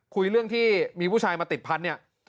คุยเรื่องที่มีผู้ชายมาติดพันธุ์เนี่ย